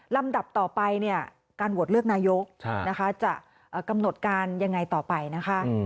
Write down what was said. ลำดับต่อไปเนี่ยการโหวตเลือกนายกจะกำหนดการยังไงต่อไปนะคะ